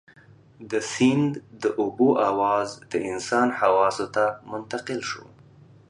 د سيند د اوبو اواز د انسان حواسو ته منتقل شو.